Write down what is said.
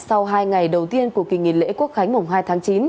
sau hai ngày đầu tiên của kỳ nghỉ lễ quốc khánh mùng hai tháng chín